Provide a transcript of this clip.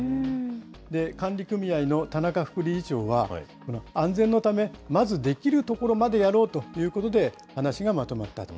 管理組合の田中副理事長は、安全のため、まずできるところまでやろうということで話がまとまったと。